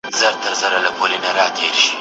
ډلي وینم د مرغیو پورته کیږي